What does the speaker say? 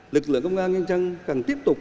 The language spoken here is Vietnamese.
lực lượng công an nhân dân cần tiếp tục